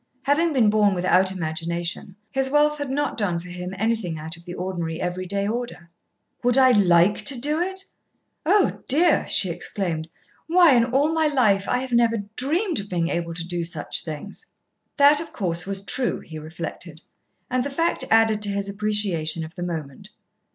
Having been born without imagination, his wealth had not done for him anything out of the ordinary every day order. "Would I like to do it? Oh, dear!" she exclaimed. "Why, in all my life I have never dreamed of being able to do such things." That, of course, was true, he reflected, and the fact added to his appreciation of the moment.